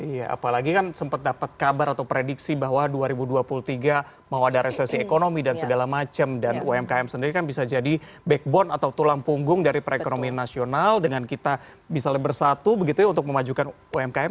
iya apalagi kan sempat dapat kabar atau prediksi bahwa dua ribu dua puluh tiga mau ada resesi ekonomi dan segala macam dan umkm sendiri kan bisa jadi backbone atau tulang punggung dari perekonomian nasional dengan kita misalnya bersatu begitu ya untuk memajukan umkm